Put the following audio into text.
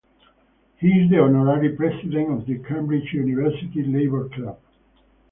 He is the honorary President of the Cambridge Universities Labour Club.